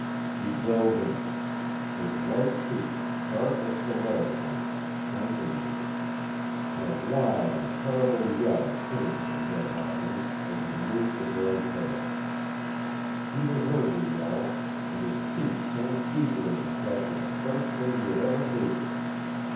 He dove in. His white teeth, sharp as stiletto points, sank into it. And a wild and terrible yell came from Jed Hawkins as he loosed the girl's hair. Peter heard the yell, and his teeth sank deeper in the flesh of the first thing he had ever hated.